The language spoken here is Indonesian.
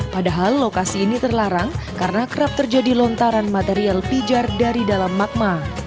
padahal lokasi ini terlarang karena kerap terjadi lontaran material pijar dari dalam magma